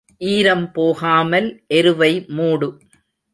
ஈரம் போகாமல் எருவை மூடு.